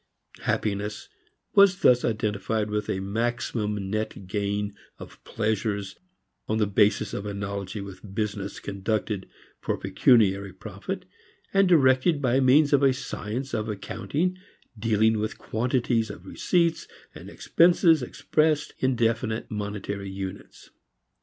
Happiness was thus identified with a maximum net gain of pleasures on the basis of analogy with business conducted for pecuniary profit, and directed by means of a science of accounting dealing with quantities of receipts and expenses expressed in definite monetary units.